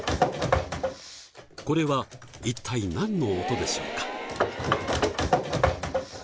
これは一体なんの音でしょうか？